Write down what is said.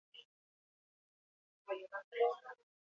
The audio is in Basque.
Haragi zuriko itsas arraina da, sukaldaritzan oso preziatua.